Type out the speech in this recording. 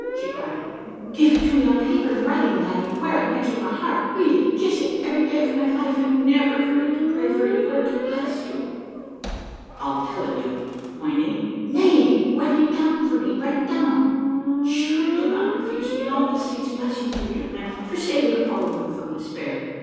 she cried; "give it to me on paper, in writing, that I may wear it next my heart, read and kiss it every day of my life, and never forget to pray for you, and to bless you!" "I'll tell it you. My name " "Nay, write it down for me write it down. Sure you'll not refuse me. All the saints bless you, dear young man, for saving a poor woman from despair!"